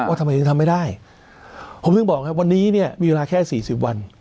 ว่าทำไมคุณทำไม่ได้ผมเพิ่งบอกนะวันนี้เนี้ยมีเวลาแค่สี่สิบวัน